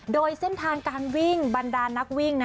โดยเส้นทางการวิ่งบรรดานักวิ่ง